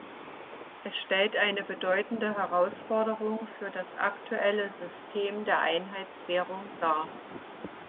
Es stellt eine bedeutende Herausforderung für das aktuelle System der Einheitswährung dar.